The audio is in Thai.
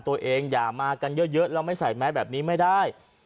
ตัวเองอย่ามากันเยอะแล้วไม่ใส่แม็กซ์แบบนี้ไม่ได้